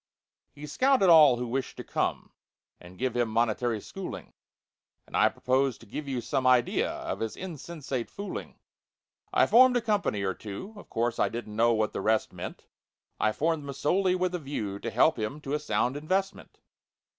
He scouted all who wished to come And give him monetary schooling; And I propose to give you some Idea of his insensate fooling. I formed a company or two— (Of course I don't know what the rest meant, I formed them solely with a view To help him to a sound investment).